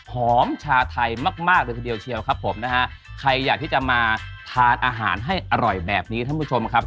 ชาไทยมากมากเลยทีเดียวเชียวครับผมนะฮะใครอยากที่จะมาทานอาหารให้อร่อยแบบนี้ท่านผู้ชมครับ